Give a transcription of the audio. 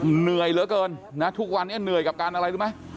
เหนื่อยเหลือเกินนะทุกวันนี้เหนื่อยกับการอะไรรู้ไหม